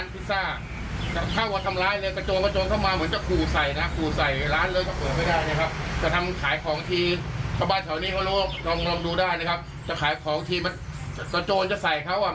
นี่มันมาเอาในที่เขาทานขายของมันไม่เข้าไปเอาในกรง